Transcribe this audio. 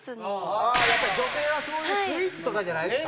ああやっぱり女性はそういうスイーツとかじゃないですか。